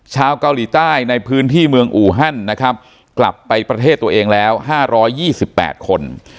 ชาวเกาหลีใต้ในพื้นที่เมืองอูฮันนะครับกลับไปประเทศตัวเองแล้ว๕๒๘คน